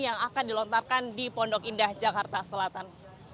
yang akan dilontarkan di pondok indah jakarta selatan